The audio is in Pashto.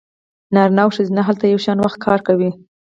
نارینه او ښځینه هلته یو شان وخت کار کوي